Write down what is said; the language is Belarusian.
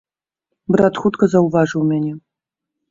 Брат хутка заўважыў мяне.